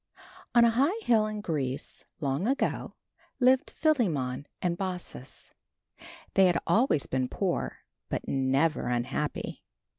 On a high hill in Greece, long ago, lived Philemon and Baucis. They had always been poor but never unhappy.